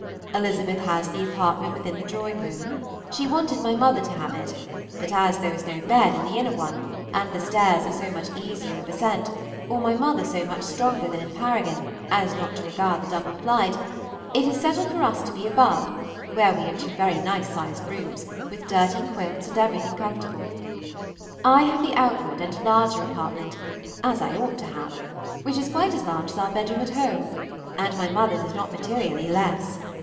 Elizabeth has the apartment within the drawing room; she wanted my mother to have it, but as there was no bed in the inner one, and the stairs are so much easier of ascent, or my mother so much stronger than in Paragon as not to regard the double flight, it is settled for us to be above, where we have two very nice sized rooms, with dirty quilts and everything comfortable. I have the outward and larger apartment, as I ought to have; which is quite as large as our bedroom at home, and my mother's is not materially less.